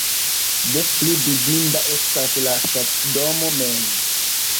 Des pli vidinda estas la stacidomo mem.